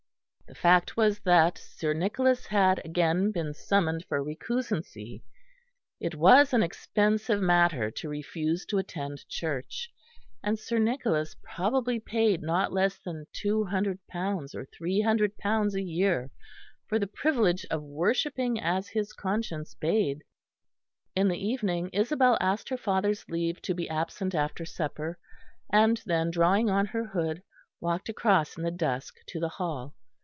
The fact was that Sir Nicholas had again been summoned for recusancy. It was an expensive matter to refuse to attend church, and Sir Nicholas probably paid not less than £200 or £300 a year for the privilege of worshipping as his conscience bade. In the evening Isabel asked her father's leave to be absent after supper, and then drawing on her hood, walked across in the dusk to the Hall.